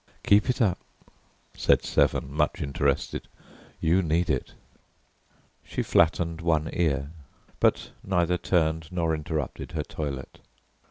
"Keep it up," said Severn, much interested, "you need it." She flattened one ear, but neither turned nor interrupted her toilet.